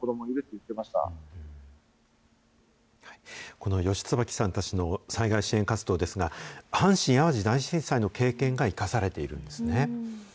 この吉椿さんたちの災害支援活動ですが、阪神・淡路大震災の経験が生かされているんですね。